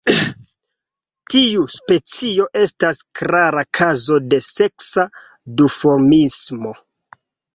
Tiu specio estas klara kazo de seksa duformismo.